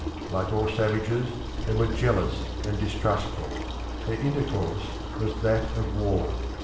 Like all savages, they were jealous and distrustful; their intercourse was that of war.